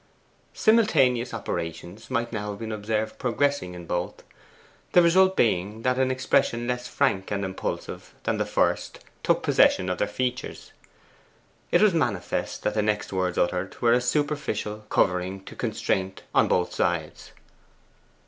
Simultaneous operations might now have been observed progressing in both, the result being that an expression less frank and impulsive than the first took possession of their features. It was manifest that the next words uttered were a superficial covering to constraint on both sides.